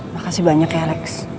makasih banyak ya alex